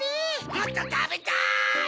もっとたべたい！